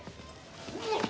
うわっ！